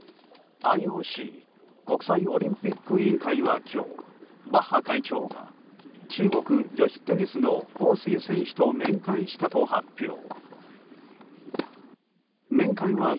ＩＯＣ・国際オリンピック委員会は今日バッハ会長が中国女子テニスのホウ・スイ選手と面会したと発表。